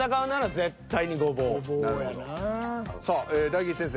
さあ大吉先生。